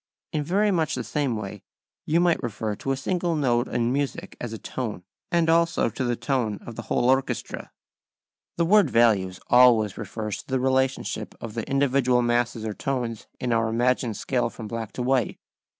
In very much the same way you might refer to a single note in music as a tone, and also to the tone of the whole orchestra. The word values always refers to the relationship of the individual masses or tones in our imagined scale from black to white.